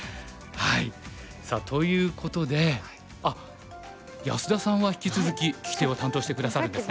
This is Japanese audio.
さあということであっ安田さんは引き続き聞き手を担当して下さるんですね。